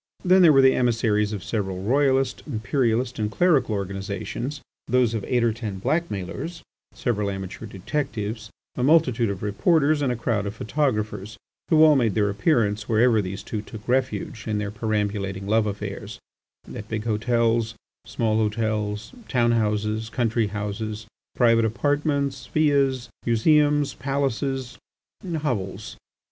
Then there were the emissaries of several royalist, imperialist, and clerical organisations, those of eight or ten blackmailers, several amateur detectives, a multitude of reporters, and a crowd of photographers, who all made their appearance wherever these two took refuge in their perambulating love affairs, at big hotels, small hotels, town houses, country houses, private apartments, villas, museums, palaces, hovels.